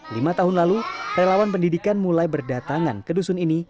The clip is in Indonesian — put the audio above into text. lima tahun lalu relawan pendidikan mulai berdatangan ke dusun ini